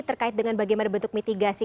terkait dengan bagaimana bentuk mitigasi